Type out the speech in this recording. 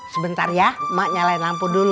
sebentar ya mak nyalain lampu dulu